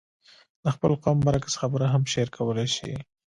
د خپل قوم برعکس خبره هم شعر کولای شي.